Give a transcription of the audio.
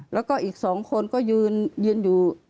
แล้วก็อีก๒คนก็ยืนอยู่